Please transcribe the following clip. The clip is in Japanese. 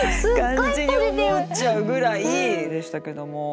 感じに思っちゃうぐらいでしたけども。